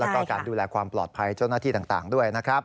แล้วก็การดูแลความปลอดภัยเจ้าหน้าที่ต่างด้วยนะครับ